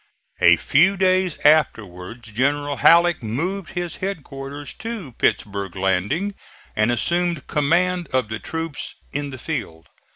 A few days afterwards General Halleck moved his headquarters to Pittsburg landing and assumed command of the troops in the field.